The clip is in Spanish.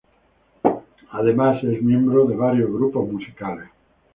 Además es miembro de varios grupos musicales.